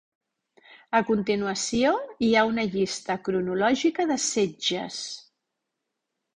A continuació hi ha una llista cronològica de setges.